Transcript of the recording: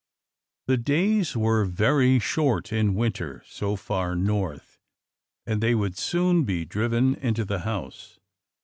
The days were very short in winter, so far North, and they would soon be driven into the house.